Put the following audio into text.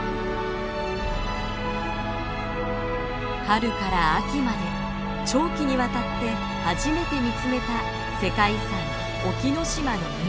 春から秋まで長期にわたって初めて見つめた世界遺産沖ノ島の海。